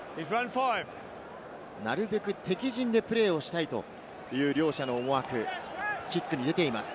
なるべく敵陣でプレーをしたいという両者の思惑、キックに出ています。